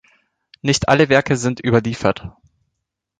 Nicht alle Werke sind überliefert.